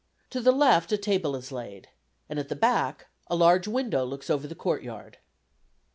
To the left a table is laid, and at the back a large window looks over the courtyard.